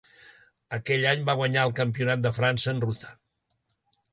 Aquell any va guanyar el Campionat de França en ruta.